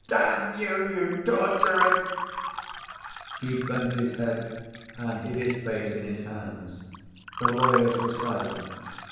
Damn you, you torturers!" He bent his head, and hid his face in his hands. The lawyers were silent.